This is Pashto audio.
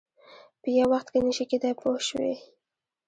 په یو وخت کې نه شي کېدای پوه شوې!.